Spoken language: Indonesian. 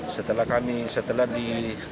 setelah kami setelah di